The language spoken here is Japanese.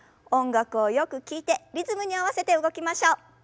音楽をよく聞いてリズムに合わせて動きましょう。